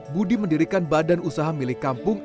budi mendirikan badan usaha milik kampung